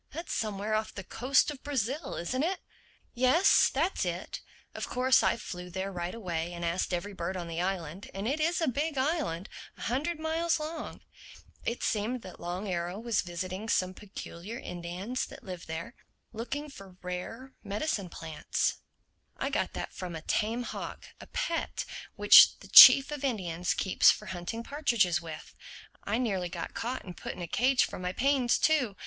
That's somewhere off the coast of Brazil, isn't it?" "Yes, that's it. Of course I flew there right away and asked every bird on the island—and it is a big island, a hundred miles long. It seems that Long Arrow was visiting some peculiar Indians that live there; and that when last seen he was going up into the mountains looking for rare medicine plants. I got that from a tame hawk, a pet, which the Chief of the Indians keeps for hunting partridges with. I nearly got caught and put in a cage for my pains too.